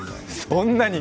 そんなに？